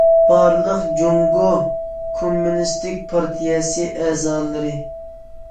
بارلىق جۇڭگو كوممۇنىستىك پارتىيەسى ئەزالىرى!